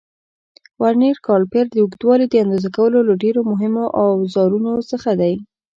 ورنیر کالیپر د اوږدوالي د اندازه کولو له ډېرو مهمو اوزارونو څخه دی.